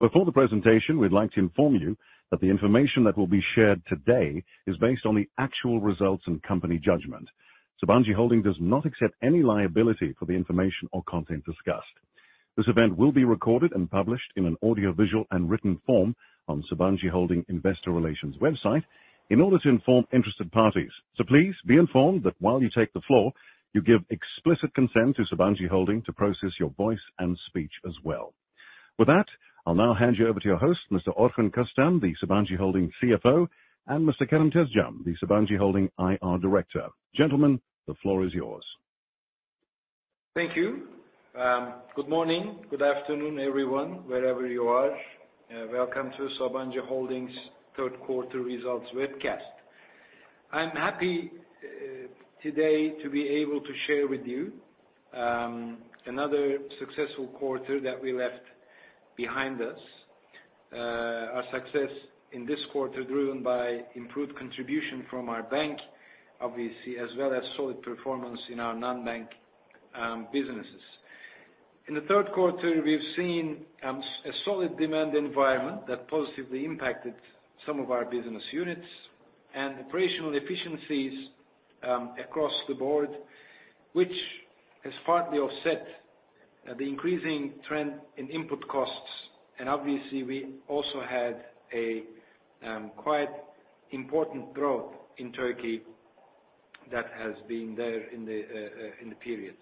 Before the presentation, we'd like to inform you that the information that will be shared today is based on the actual results and company judgment. Sabancı Holding does not accept any liability for the information or content discussed. This event will be recorded and published in an audio, visual, and written form on Sabancı Holding investor relations website in order to inform interested parties. Please be informed that while you take the floor, you give explicit consent to Sabancı Holding to process your voice and speech as well. With that, I'll now hand you over to your host, Mr. Orhun Köstem, the Sabancı Holding CFO, and Mr. Kerem Tezcan, the Sabancı Holding IR Director. Gentlemen, the floor is yours. Thank you. Good morning, good afternoon, everyone, wherever you are. Welcome to Sabancı Holding's Q3 results webcast. I'm happy today to be able to share with you another successful quarter that we left behind us. Our success in this quarter driven by improved contribution from our bank, obviously, as well as solid performance in our non-bank businesses. In the Q3, we've seen a solid demand environment that positively impacted some of our business units and operational efficiencies across the board, which has partly offset the increasing trend in input costs. Obviously, we also had a quite important growth in Turkey that has been there in the period.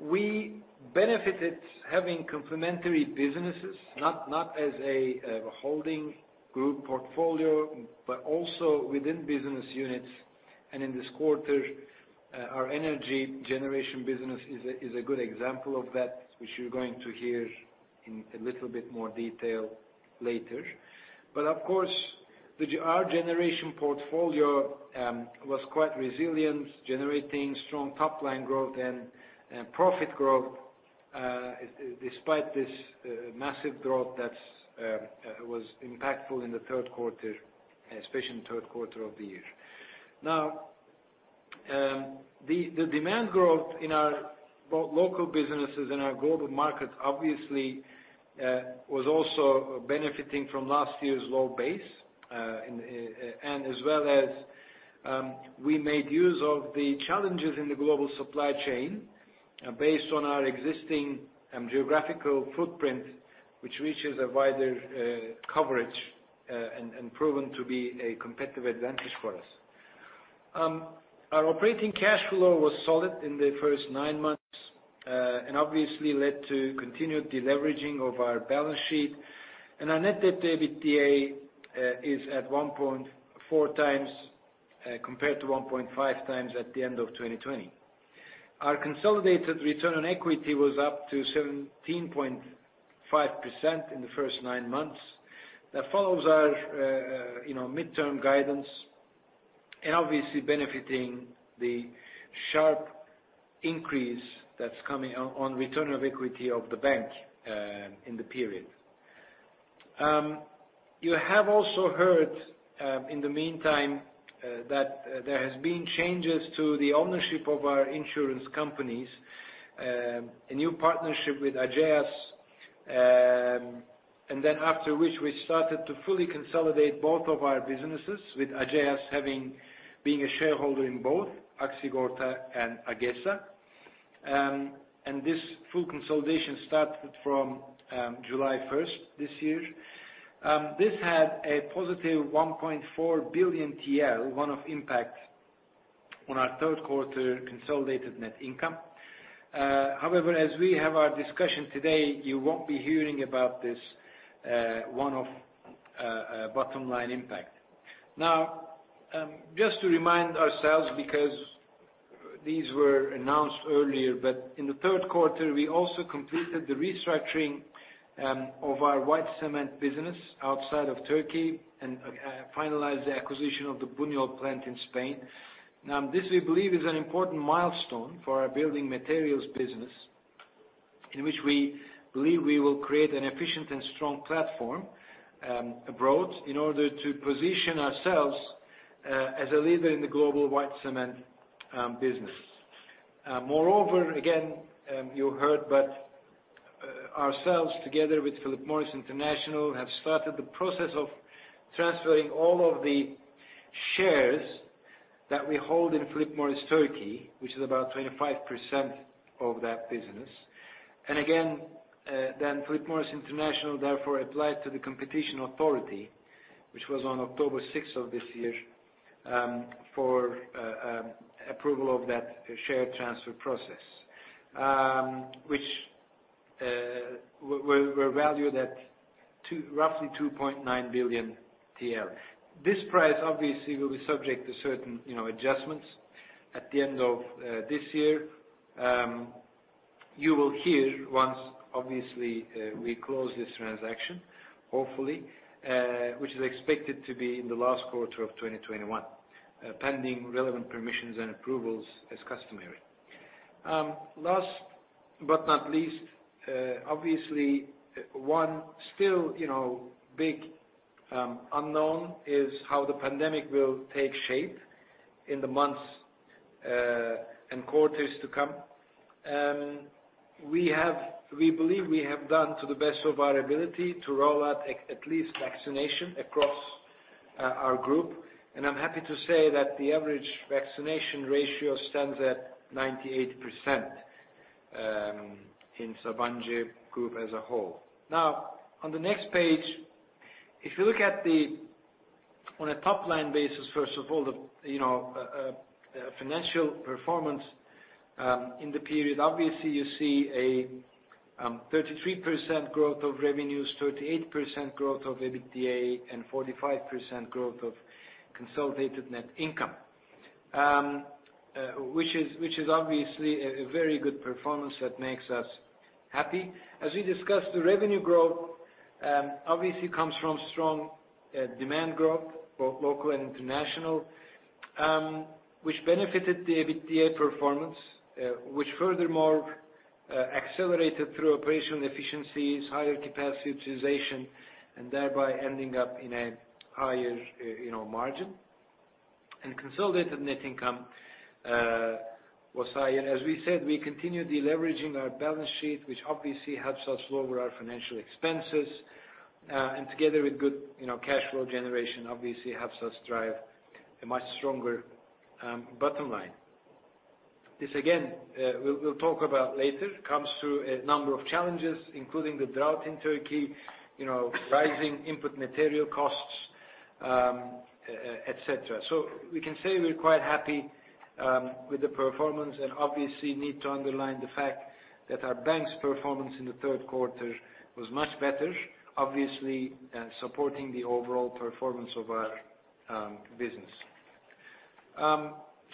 We benefited having complementary businesses not as a holding group portfolio, but also within business units. In this quarter, our energy generation business is a good example of that, which you're going to hear in a little bit more detail later. Of course, our generation portfolio was quite resilient, generating strong top-line growth and profit growth despite this massive growth that was impactful in the Q3, especially in the Q3 of the year. Now, the demand growth in our local businesses and our global markets obviously was also benefiting from last year's low base. And as well as, we made use of the challenges in the global supply chain, based on our existing geographical footprint, which reaches a wider coverage, and proven to be a competitive advantage for us. Our operating cash flow was solid in the first nine months, and obviously led to continued deleveraging of our balance sheet. Our net debt to EBITDA is at 1.4 times, compared to 1.5 times at the end of 2020. Our consolidated return on equity was up to 17.5% in the first nine months. That follows our, you know, midterm guidance and obviously benefiting the sharp increase that's coming on return on equity of the bank in the period. You have also heard, in the meantime, that there has been changes to the ownership of our insurance companies. A new partnership with Ageas, and then after which we started to fully consolidate both of our businesses with Ageas being a shareholder in both Aksigorta and AgeSA. This full consolidation started from July first this year. This had a positive 1.4 billion TL, one-off impact on our Q3 consolidated net income. However, as we have our discussion today, you won't be hearing about this one-off bottom line impact. Now, just to remind ourselves, because these were announced earlier, but in the Q3, we also completed the restructuring of our white cement business outside of Turkey and finalized the acquisition of the Buñol plant in Spain. Now this, we believe, is an important milestone for our building materials business, in which we believe we will create an efficient and strong platform abroad in order to position ourselves as a leader in the global white cement business. Moreover, again, you heard, but ourselves together with Philip Morris International have started the process of transferring all of the shares that we hold in Philip Morris Turkey, which is about 25% of that business. Again, then Philip Morris International therefore applied to the Competition Authority, which was on October 6 of this year, for approval of that share transfer process, which were valued at roughly 2.9 billion TL. This price obviously will be subject to certain, you know, adjustments at the end of this year. You will hear once obviously we close this transaction, hopefully, which is expected to be in the last quarter of 2021, pending relevant permissions and approvals as customary. Last but not least, obviously one still, you know, big unknown is how the pandemic will take shape in the months and quarters to come. We believe we have done to the best of our ability to roll out at least vaccination across our group. And I'm happy to say that the average vaccination ratio stands at 98% in Sabancı Group as a whole. On the next page, if you look at the on a top-line basis, first of all, the, you know, financial performance in the period, obviously you see a 33% growth of revenues, 38% growth of EBITDA, and 45% growth of consolidated net income. Which is obviously a very good performance that makes us happy. As we discussed, the revenue growth, obviously comes from strong demand growth, both local and international, which benefited the EBITDA performance, which furthermore, accelerated through operational efficiencies, higher capacity utilization, and thereby ending up in a higher, you know, margin. Consolidated net income was high. As we said, we continue deleveraging our balance sheet, which obviously helps us lower our financial expenses, and together with good, you know, cash flow generation obviously helps us drive a much stronger bottom line. This again, we'll talk about later, comes through a number of challenges, including the drought in Turkey, you know, rising input material costs, et cetera. We can say we're quite happy with the performance and obviously need to underline the fact that our bank's performance in the Q3 was much better, obviously, supporting the overall performance of our business.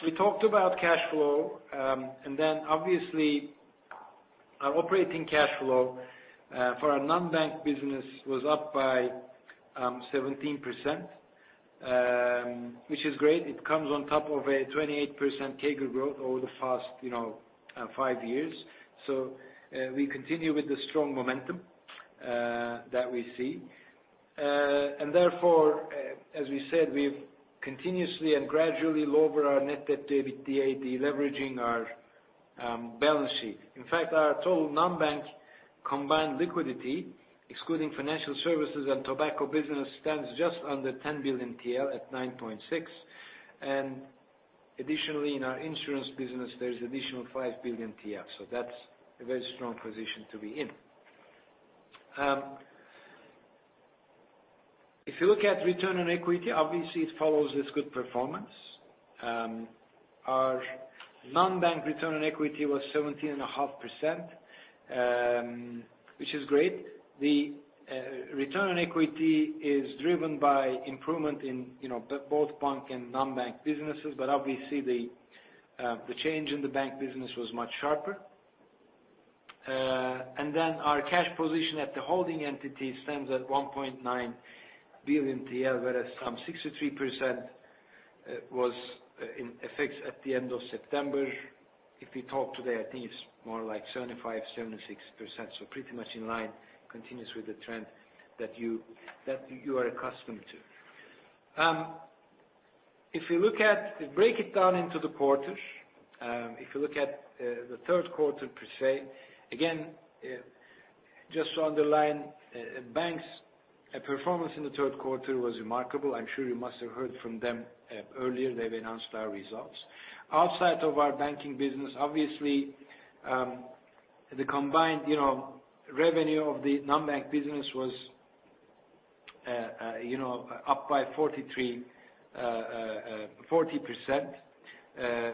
We talked about cash flow, obviously our operating cash flow for our non-bank business was up by 17%, which is great. It comes on top of a 28% CAGR growth over the past, you know, five years. We continue with the strong momentum that we see. As we said, we've continuously and gradually lowered our net debt to EBITDA, deleveraging our balance sheet. In fact, our total non-bank combined liquidity, excluding financial services and tobacco business, stands just under 10 billion TL at 9.6 billion. In our insurance business, there is additional 5 billion TL. That's a very strong position to be in. If you look at return on equity, obviously it follows this good performance. Our non-bank return on equity was 17.5%, which is great. The return on equity is driven by improvement in, you know, both bank and non-bank businesses, but obviously the change in the bank business was much sharper. Our cash position at the holding entity stands at 1.9 billion TL, whereas some 63% was in effect at the end of September. If we talk today, I think it's more like 75%-76%. Pretty much in line, continues with the trend that you are accustomed to. We break it down into the quarters. If you look at the Q3 per se, again, just to underline, banks' performance in the Q3 was remarkable. I'm sure you must have heard from them earlier. They've announced our results. Outside of our banking business, obviously, the combined, you know, revenue of the non-bank business was, you know, up by 40%,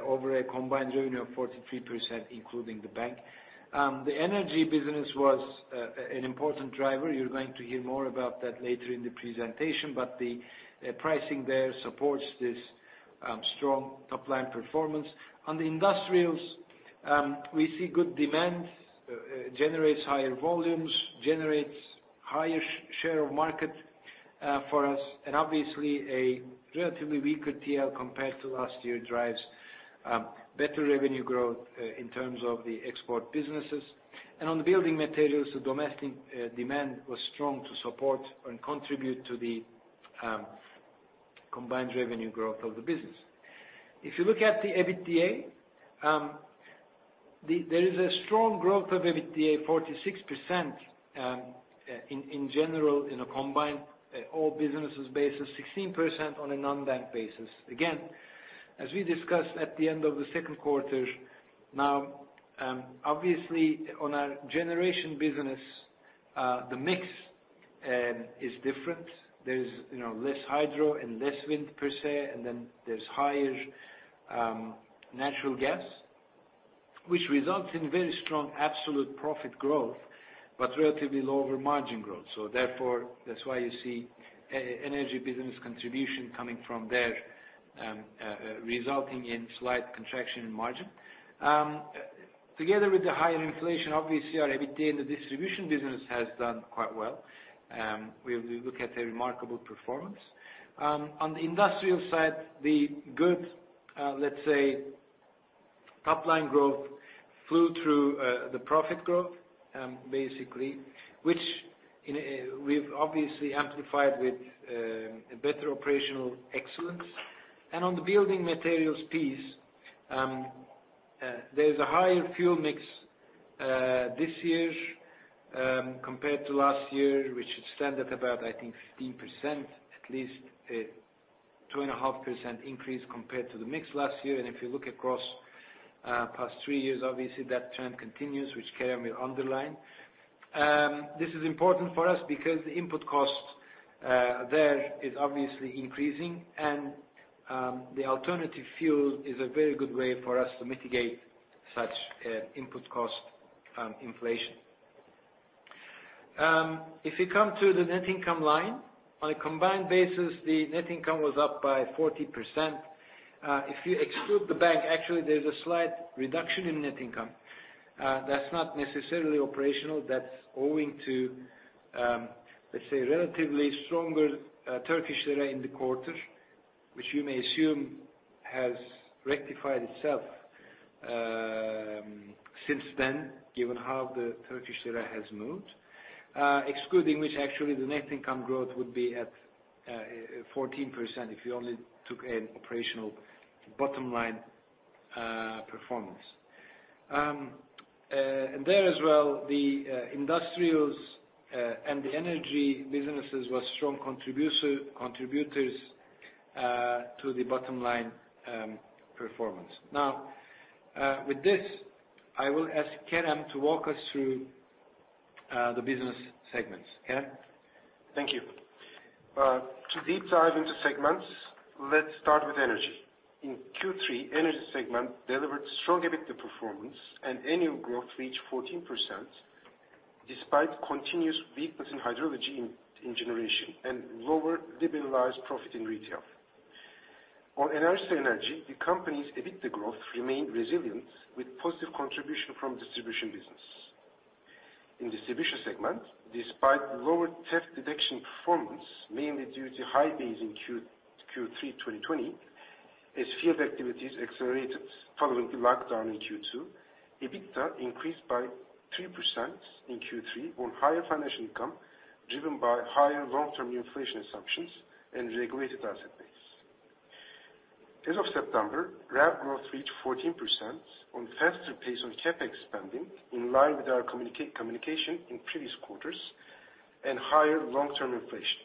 over a combined revenue of 43%, including the bank. The energy business was an important driver. You're going to hear more about that later in the presentation, but the pricing there supports this strong top-line performance. On the industrials, we see good demand, generates higher volumes, generates higher share of market for us obviously a relatively weaker TL compared to last year drives better revenue growth in terms of the export businesses. On the building materials, the domestic demand was strong to support and contribute to the combined revenue growth of the business. If you look at the EBITDA, there is a strong growth of EBITDA 46% in general, in a combined all businesses basis, 16% on a non-bank basis. As we discussed at the end of the Q2, now, obviously on our generation business, the mix is different. There's, you know, less hydro and less wind per se, and then there's higher natural gas, which results in very strong absolute profit growth, but relatively lower margin growth. That's why you see Enerjisa Enerji business contribution coming from there, resulting in slight contraction in margin. Together with the higher inflation, obviously our EBITDA in the distribution business has done quite well. We look at a remarkable performance. On the industrial side, the good, let's say top-line growth flew through the profit growth, basically, which we've obviously amplified with a better operational excellence. On the building materials piece, there's a higher fuel mix this year compared to last year, which stand at about, I think 15%, at least a 2.5% increase compared to the mix last year. If you look across past three years, obviously that trend continues, which Kerem will underline. This is important for us because the input cost there is obviously increasing and the alternative fuel is a very good way for us to mitigate such input cost inflation. If you come to the net income line, on a combined basis, the net income was up by 40%. If you exclude the bank, actually there's a slight reduction in net income. That's not necessarily operational. That's owing to, let's say relatively stronger Turkish lira in the quarter, which you may assume has rectified itself since then, given how the Turkish lira has moved. Excluding which actually the net income growth would be at 14% if you only took an operational bottom line performance. There as well, the industrials and the energy businesses was strong contributors to the bottom line performance. Now, with this, I will ask Kerem to walk us through the business segments. Kerem? Thank you. To deep dive into segments, let's start with energy. In Q3, energy segment delivered strong EBITDA performance and annual growth reached 14% despite continuous weakness in hydrology in generation and lower liberalized profit in retail. On Enerjisa Enerji, the company's EBITDA growth remained resilient with positive contribution from distribution business. In distribution segment, despite lower theft detection performance, mainly due to high base in Q3 2020, as field activities accelerated following the lockdown in Q2, EBITDA increased by 3% in Q3 on higher financial income driven by higher long-term inflation assumptions and regulated asset base. As of September, RAB growth reached 14% on faster pace on CapEx spending in line with our communication in previous quarters and higher long-term inflation.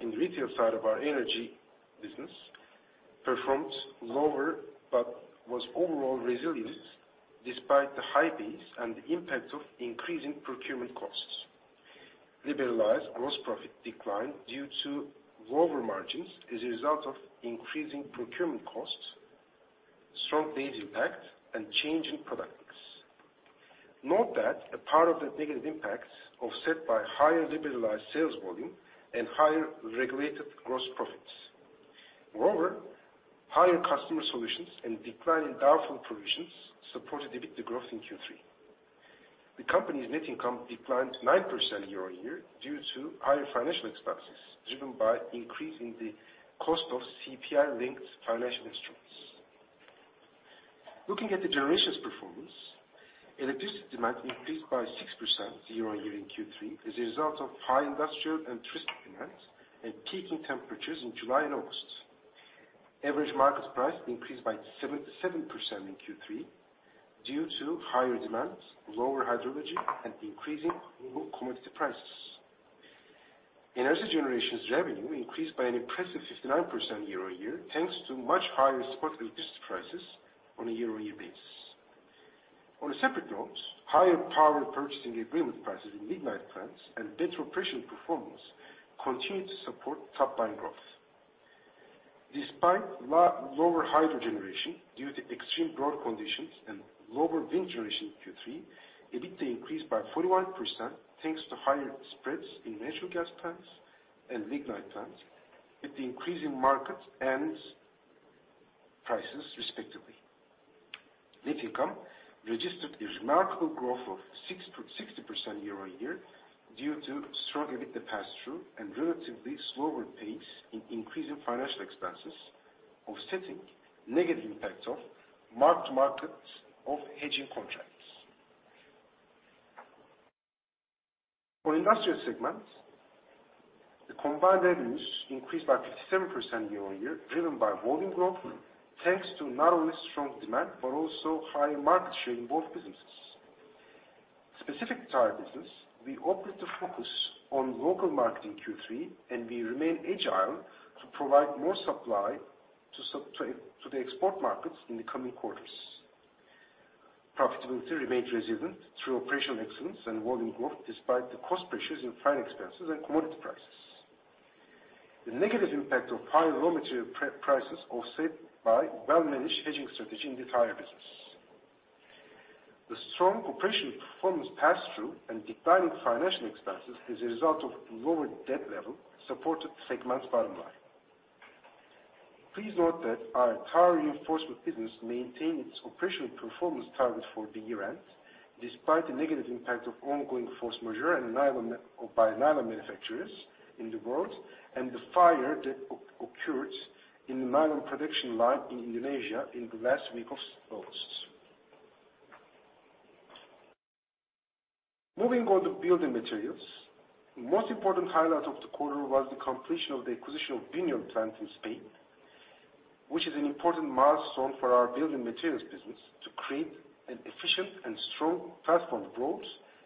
In retail side of our energy business performed lower but was overall resilient despite the high base and the impact of increasing procurement costs. Liberalized gross profit declined due to lower margins as a result of increasing procurement costs, strong base impact, and change in product mix. Note that a part of the negative impacts offset by higher liberalized sales volume and higher regulated gross profits. Higher customer solutions and decline in doubtful provisions supported EBITDA growth in Q3. The company's net income declined 9% year-on-year due to higher financial expenses driven by increase in the cost of CPI-linked financial instruments. Looking at the generations performance, electricity demand increased by 6% year-on-year in Q3 as a result of high industrial and tourist demands and peaking temperatures in July and August. Average market price increased by 7.7% in Q3 due to higher demand, lower hydrology, and increasing commodity prices. Enerjisa Üretim's revenue increased by an impressive 59% year-on-year, thanks to much higher spot electricity prices on a year-on-year basis. On a separate note, higher power purchase agreement prices in lignite plants and better operational performance continued to support top-line growth. Despite lower hydro generation due to extreme drought conditions and lower wind generation in Q3, EBITDA increased by 41%, thanks to higher spreads in natural gas plants and lignite plants with the increase in market and prices respectively. Net income registered a remarkable growth of 6.60% year-on-year due to strong EBITDA pass-through and relatively slower pace in increasing financial expenses offsetting negative impact of mark-to-market of hedging contracts. For industrial segments, the combined revenues increased by 57% year-on-year driven by volume growth, thanks to not only strong demand, but also higher market share in both businesses. Specific to our business, we operate the focus on local market in Q3, and we remain agile to provide more supply to the export markets in the coming quarters. Profitability remained resilient through operational excellence and volume growth despite the cost pressures in finance expenses and commodity prices. The negative impact of high raw material prices offset by well-managed hedging strategy in the entire business. The strong operational performance pass-through and declining financial expenses as a result of lower debt level supported the segment's bottom line. Please note that our tire reinforcement business maintained its performance target for the year-end, despite the negative impact of ongoing force majeure and nylon manufacturers in the world, and the fire that occurs in the nylon production line in Indonesia in the last week of August. Moving on to building materials. The most important highlight of the quarter was the completion of the acquisition of Buñol plant in Spain, which is an important milestone for our building materials business to create an efficient and strong platform growth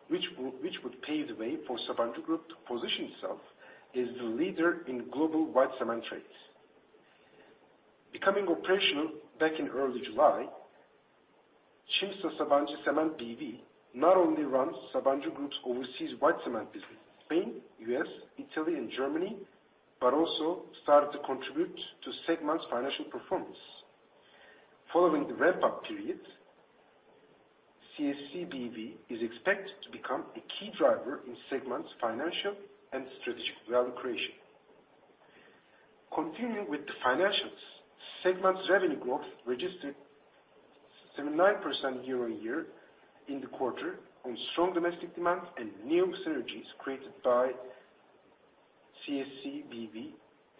which would pave the way for Sabancı Group to position itself as the leader in global white cement trades. Becoming operational back in early July, Cimsa Sabanci Cement BV not only runs Sabancı Group's overseas white cement business in Spain, U.S., Italy and Germany, but also started to contribute to segment's financial performance. Following the ramp-up period, CSCBV is expected to become a key driver in segment's financial and strategic value creation. Continuing with the financials, segment's revenue growth registered 7%-9% year-on-year in the quarter on strong domestic demand and new synergies created by CSCBV,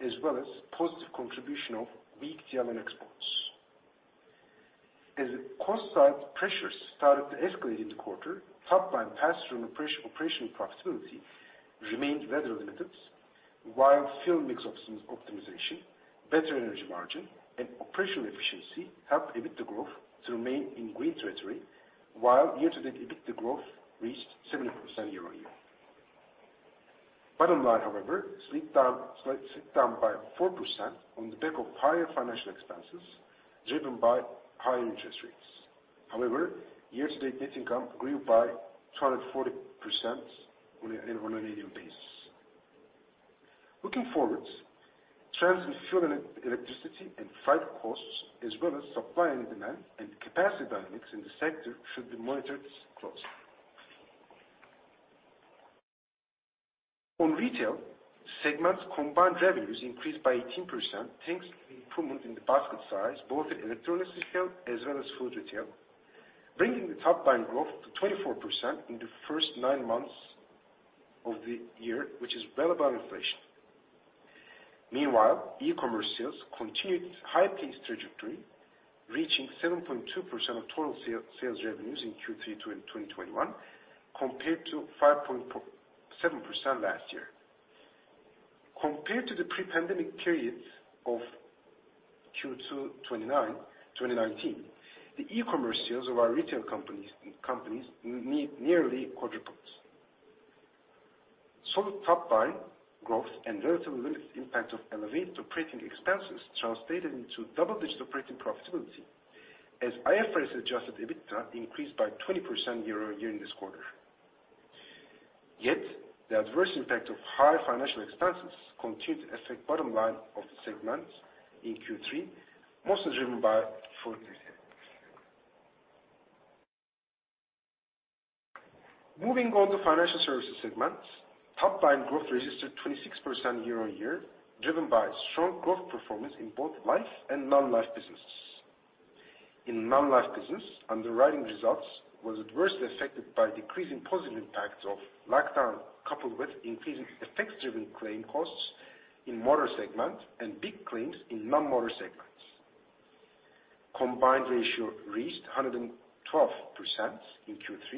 as well as positive contribution of weak TL exports. As cost side pressures started to escalate in the quarter, top line pass through on operational profitability remained rather limited. While fuel mix optimization, better energy margin, and operational efficiency helped EBITDA growth to remain in green territory, while year-to-date EBITDA growth reached 7% year-on-year. Bottom line, however, slipped down by 4% on the back of higher financial expenses driven by higher interest rates. However, year-to-date net income grew by 240% on an annual basis. Looking forward, trends in fuel and electricity and freight costs as well as supply and demand and capacity dynamics in the sector should be monitored closely. On retail, segment's combined revenues increased by 18% thanks to the improvement in the basket size both in electronics retail as well as food retail, bringing the top line growth to 24% in the first nine months of the year, which is well above inflation. Meanwhile, e-commerce sales continued its high pace trajectory, reaching 7.2% of total sales revenues in Q3 in 2021, compared to five point four to seven percent last year. Compared to the pre-pandemic periods of Q2 2019, the e-commerce sales of our retail companies nearly quadrupled. Solid top line growth and relatively limited impact of elevated operating expenses translated into double-digit operating profitability as IFRS-adjusted EBITDA increased by 20% year-on-year in this quarter. The adverse impact of higher financial expenses continued to affect bottom line of the segment in Q3, mostly driven by food retail. Moving on to financial services segments, top line growth registered 26% year-on-year, driven by strong growth performance in both life and non-life businesses. In non-life business, underwriting results was adversely affected by decreasing positive impacts of lockdown, coupled with increasing effects-driven claim costs in motor segment and big claims in non-motor segments. combined ratio reached 112% in Q3,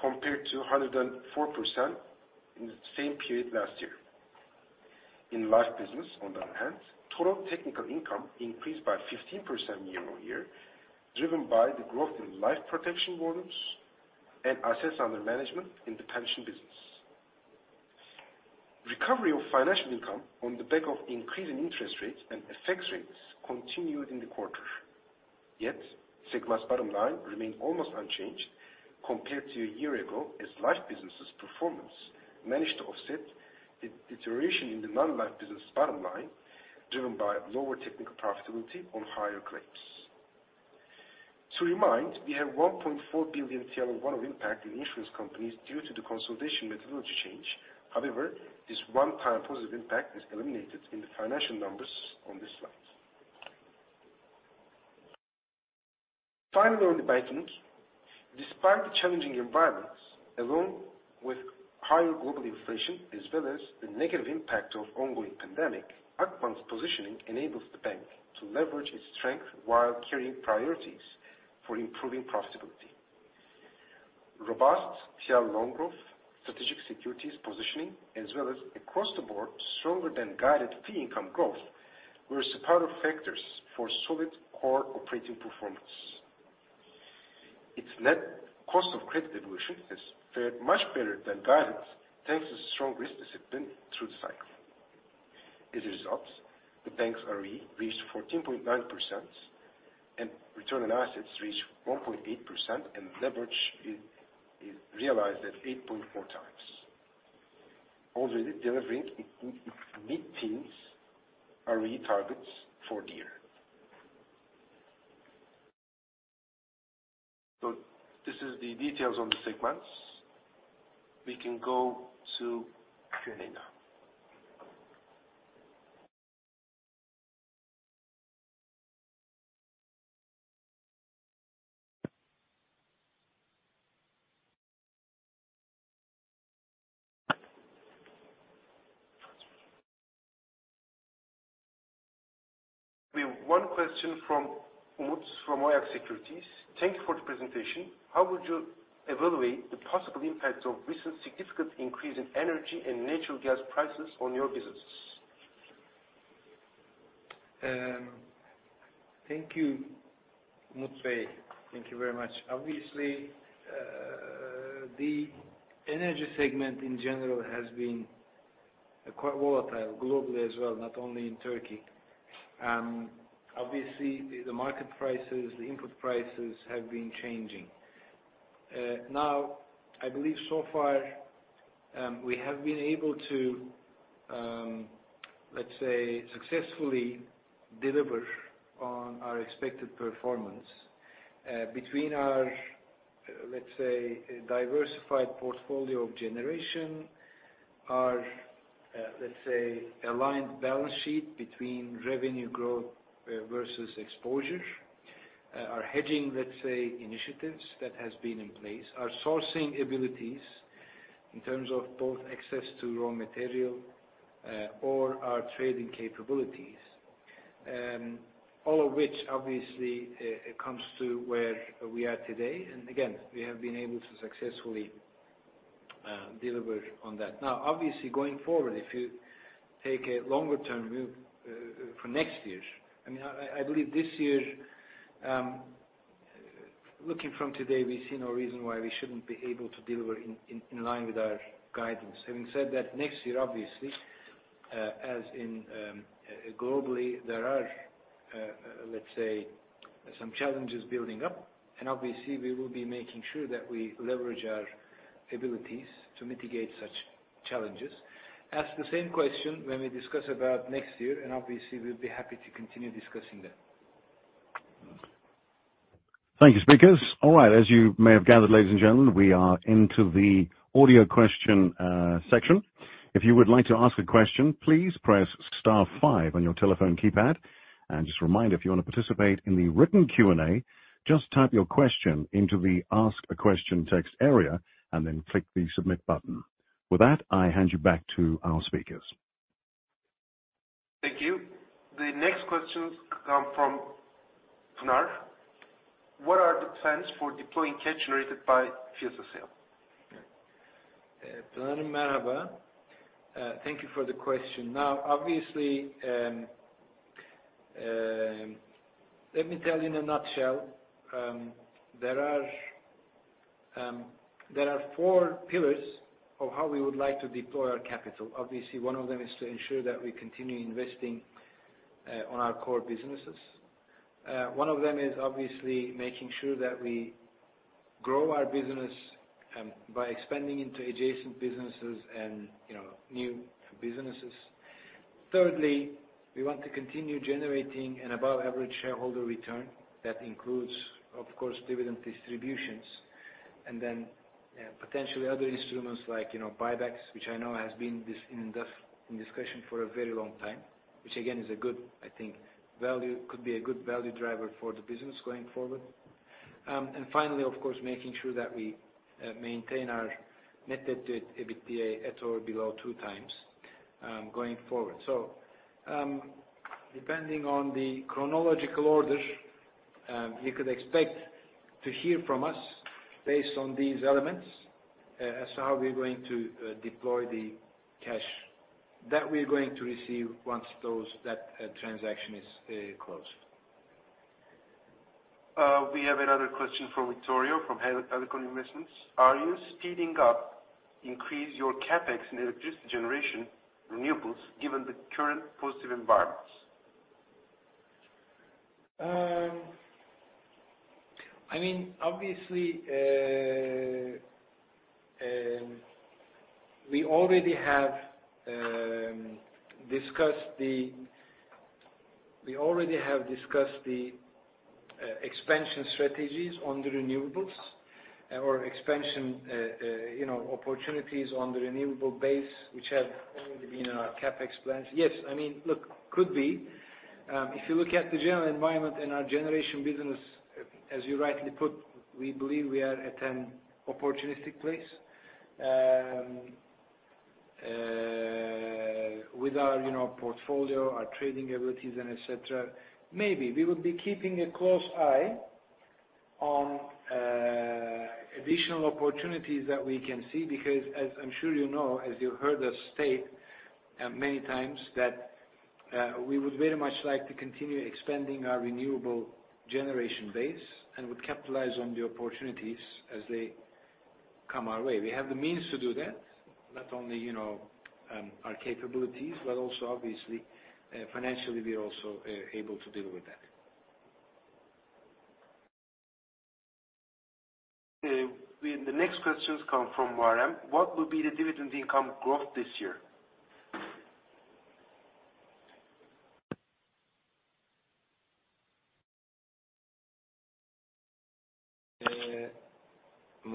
compared to 104% in the same period last year. In life business, on the other hand, total technical income increased by 15% year-on-year, driven by the growth in life protection volumes and assets under management in the pension business. Recovery of financial income on the back of increasing interest rates and FX rates continued in the quarter. Segment's bottom line remained almost unchanged compared to a year ago as life business's performance managed to offset the deterioration in the non-life business bottom line, driven by lower technical profitability on higher claims. To remind, we have 1.4 billion TL one-off impact in insurance companies due to the consolidation methodology change. This one-time positive impact is eliminated in the financial numbers on this slide. Finally, on the banking, despite the challenging environments, along with higher global inflation as well as the negative impact of ongoing pandemic, Akbank's positioning enables the bank to leverage its strength while carrying priorities for improving profitability. Robust TL loan growth, strategic securities positioning as well as across the board stronger than guided fee income growth were supportive factors for solid core operating performance. Its net cost of credit evolution has fared much better than guidance thanks to strong risk discipline through the cycle. As a result, the bank's ROE reached 14.9% and return on assets reached 1.8%, and leverage is realized at 8.4x. Already delivering mid-teens ROE targets for the year. This is the details on the segments. We can go to Q&A now. We have one question from Umut from OYAK Securities. Thank you for the presentation. How would you evaluate the possible impact of recent significant increase in energy and natural gas prices on your business? Thank you, Umut. Thank you very much. Obviously, the energy segment in general has been quite volatile globally as well, not only in Turkey. Obviously, the market prices, the input prices have been changing. Now, I believe so far, we have been able to, let's say successfully deliver on our expected performance, between our, let's say, diversified portfolio of generation, our, let's say, aligned balance sheet between revenue growth versus exposure. Our hedging, let's say, initiatives that has been in place. Our sourcing abilities in terms of both access to raw material or our trading capabilities, all of which obviously comes to where we are today. Again, we have been able to successfully deliver on that. Now, obviously, going forward, if you take a longer term view, for next year, I mean, I believe this year, looking from today, we see no reason why we shouldn't be able to deliver in line with our guidance. Having said that, next year, obviously, as in, globally, there are, let's say, some challenges building up. Obviously, we will be making sure that we leverage our abilities to mitigate such challenges. Ask the same question when we discuss about next year. Obviously, we'll be happy to continue discussing them. Thank you, speakers. All right, as you may have gathered, ladies and gentlemen, we are into the audio question section. If you would like to ask a question, please press star five on your telephone keypad. Just a reminder, if you wanna participate in the written Q&A, just type your question into the ask a question text area and then click the submit button. With that, I hand you back to our speakers. Thank you. The next questions come from Tunar. What are the plans for deploying cash generated by PM share sale? Tunar Marhaba. Thank you for the question. Obviously, let me tell you in a nutshell. There are four pillars of how we would like to deploy our capital. Obviously, one of them is to ensure that we continue investing on our core businesses. One of them is obviously making sure that we grow our business by expanding into adjacent businesses and, you know, new businesses. Thirdly, we want to continue generating an above average shareholder return. That includes, of course, dividend distributions. Potentially other instruments like, you know, buybacks, which I know has been this in this discussion for a very long time, which again, is a good, I think, value. Could be a good value driver for the business going forward. Finally, of course, making sure that we maintain our net debt to EBITDA at or below two times going forward. Depending on the chronological order, you could expect to hear from us based on these elements as to how we're going to deploy the cash that we're going to receive once that transaction is closed. We have another question from Vittorio, from Helikon Investments. Are you speeding up increase your CapEx in electricity generation renewables given the current positive environments? I mean, obviously, we already have discussed the expansion strategies on the renewables or expansion, you know, opportunities on the renewable base, which have already been in our CapEx plans. Yes, I mean, look, could be. If you look at the general environment in our generation business, as you rightly put, we believe we are at an opportunistic place, with our, you know, portfolio, our trading abilities and etc. Maybe we would be keeping a close eye on additional opportunities that we can see, because as I'm sure you know, as you heard us state many times that we would very much like to continue expanding our renewable generation base and would capitalize on the opportunities as they come our way. We have the means to do that, not only, you know, our capabilities, but also obviously financially, we are also able to deal with that. The next questions come from Varim. What will be the dividend income growth this year?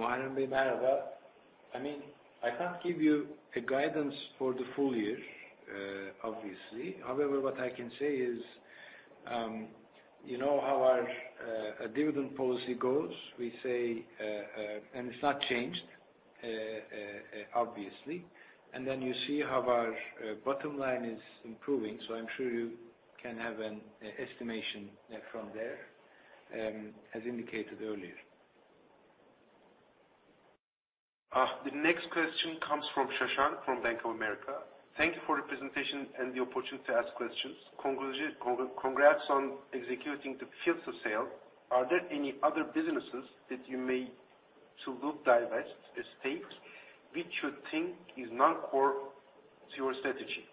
I mean, I can't give you a guidance for the full year, obviously. However, what I can say is, you know how our dividend policy goes. We say, and it's not changed, obviously, and then you see how our bottom line is improving. I'm sure you can have an estimation from there, as indicated earlier. The next question comes from Shashank from Bank of America. Thank you for the presentation and the opportunity to ask questions. Congrats on executing the PM share sale. Are there any other businesses that you may to look divest the stakes which you think is non-core to your strategy?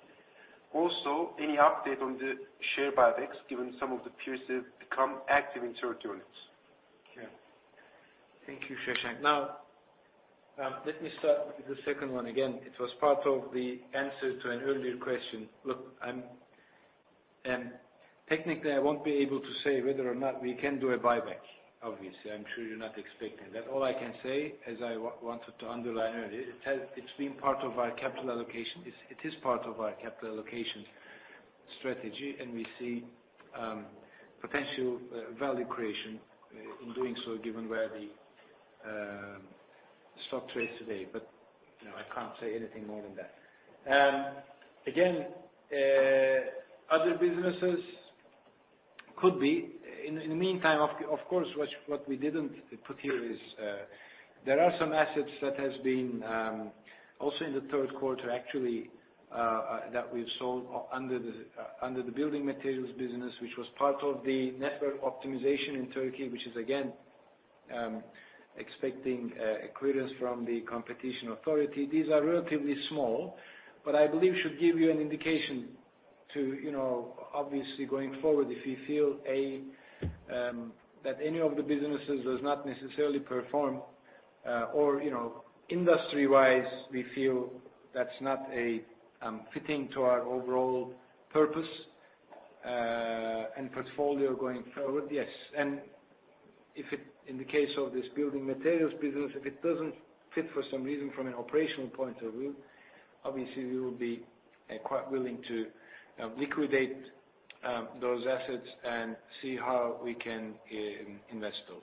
Also, any update on the share buybacks, given some of the peers have become active in their units? Yeah. Thank you, Shashank. Let me start with the second one again. It was part of the answer to an earlier question. Look, I'm technically, I won't be able to say whether or not we can do a buyback, obviously. I'm sure you're not expecting that. All I can say, as I wanted to underline earlier, it's been part of our capital allocation. It is part of our capital allocation strategy, we see potential value creation in doing so, given where the stock trades today. You know, I can't say anything more than that. Again, other businesses could be. In the meantime, of course, what we didn't put here is, there are some assets that has been, also in the Q3, actually, that we've sold under the building materials business, which was part of the network optimization in Turkey, which is again, expecting clearance from the Competition Authority. These are relatively small, but I believe should give you an indication to, you know, obviously going forward, if you feel that any of the businesses does not necessarily perform, or, you know, industry wise, we feel that's not fitting to our overall purpose and portfolio going forward. Yes. If it, in the case of this building materials business, if it doesn't fit for some reason from an operational point of view, obviously, we will be quite willing to liquidate those assets and see how we can invest those.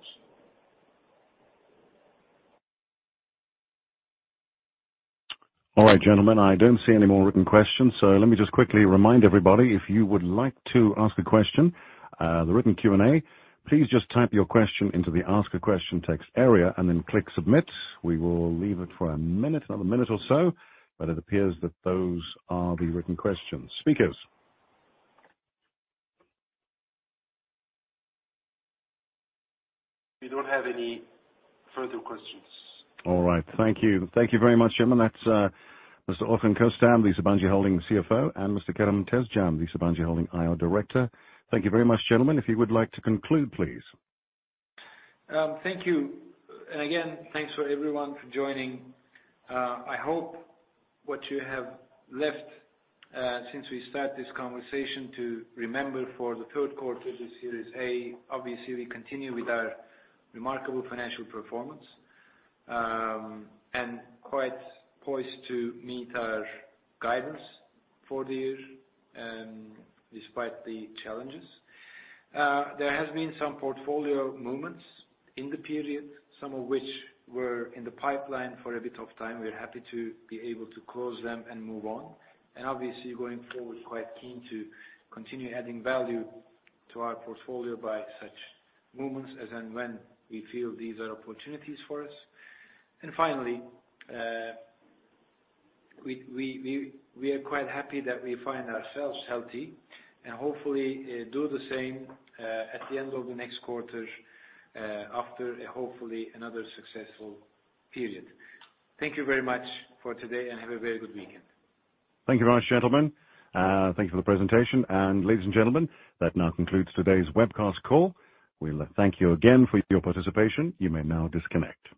All right, gentlemen. I don't see any more written questions. Let me just quickly remind everybody, if you would like to ask a question, the written Q&A, please just type your question into the ask a question text area and then click submit. We will leave it for a minute, another minute or so, but it appears that those are the written questions. Speakers? We don't have any further questions. All right. Thank you. Thank you very much, gentlemen. That's Mr. Orhun Köstem, the Sabancı Holding CFO, and Mr. Kerem Tezcan, the Sabancı Holding IR Director. Thank you very much, gentlemen. If you would like to conclude, please. Thank you. Again, thanks for everyone for joining. I hope what you have left, since we start this conversation, to remember for the Q3 is, obviously, we continue with our remarkable financial performance, and quite poised to meet our guidance for the year, despite the challenges. There has been some portfolio movements in the period, some of which were in the pipeline for a bit of time. We're happy to be able to close them and move on. Obviously, going forward, quite keen to continue adding value to our portfolio by such movements as and when we feel these are opportunities for us. Finally, we are quite happy that we find ourselves healthy and hopefully do the same at the end of the next quarter after hopefully another successful period. Thank you very much for today, and have a very good weekend. Thank you very much, gentlemen. Thank you for the presentation. Ladies and gentlemen, that now concludes today's webcast call. We'll thank you again for your participation. You may now disconnect.